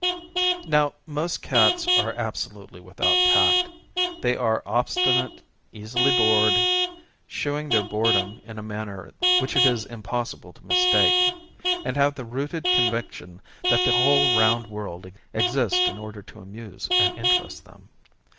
Now most cats are absolutely without tact ; they are obstinate, easily bored (shewing their boredom in a manner which it is impossible to mistake), and have the rooted con viction that the whole round world exists in order to amuse and interest them.